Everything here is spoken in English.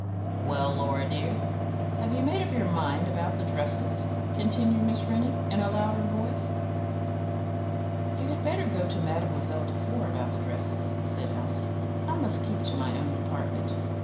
"Well, Laura dear, have you made up your mind about the dresses?" continued Miss Rennie, in a louder voice. "You had better go to Mademoiselle Defour about the dresses," said Elsie. "I must keep to my own department."